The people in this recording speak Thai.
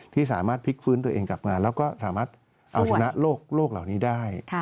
ที่สามารถพลิกฟื้นตัวเองกลับมาแล้วก็สามารถเอาชนะโลกเหล่านี้ได้